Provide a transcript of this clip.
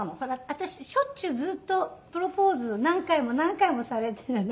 私しょっちゅうずっとプロポーズ何回も何回もされてるのね。